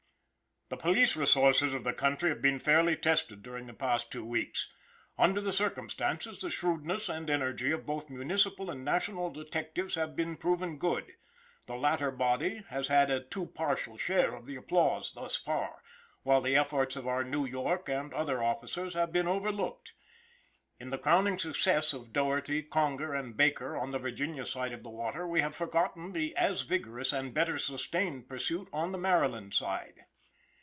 The police resources of the country have been fairly tested during the past two weeks. Under the circumstances, the shrewdness and energy of both municipal and national detectives have been proven good. The latter body has had a too partial share of the applause thus far, while the great efforts of our New York and other officers have been overlooked. In the crowning success of Doherty, Conger, and Baker on the Virginia side of the water we have forgotten the as vigorous and better sustained pursuit on the Maryland side.